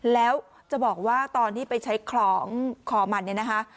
แล้วจะบอกว่าตอนที่ไปใช้คล้องคอมันเนี่ยนะคะ